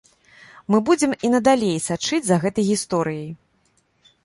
Мы будзем і надалей сачыць за гэтай гісторыяй.